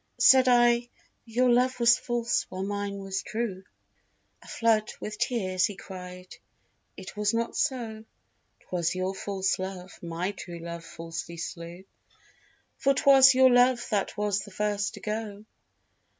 Said I: "Your love was false while mine was true." Aflood with tears he cried: "It was not so, 'Twas your false love my true love falsely slew— For 'twas your love that was the first to go."